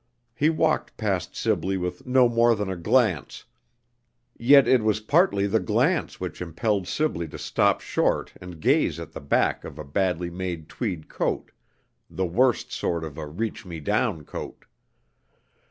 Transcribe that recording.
He walked past Sibley with no more than a glance, yet it was partly the glance which impelled Sibley to stop short and gaze at the back of a badly made tweed coat, the worst sort of a "reach me down" coat.